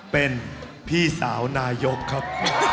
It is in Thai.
เป็นพี่สาวนายกครับ